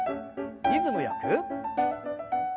リズムよく。